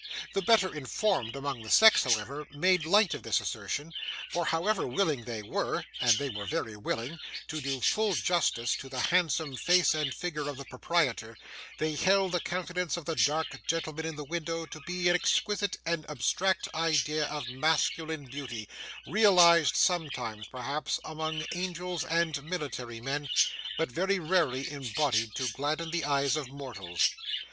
The better informed among the sex, however, made light of this assertion, for however willing they were (and they were very willing) to do full justice to the handsome face and figure of the proprietor, they held the countenance of the dark gentleman in the window to be an exquisite and abstract idea of masculine beauty, realised sometimes, perhaps, among angels and military men, but very rarely embodied to gladden the eyes of mortals.